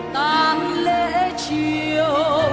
tàn lễ chiều